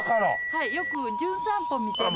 はいよく『じゅん散歩』見てます。